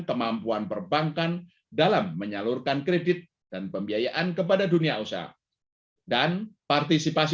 kemampuan perbankan dalam menyalurkan kredit dan pembiayaan kepada dunia usaha dan partisipasi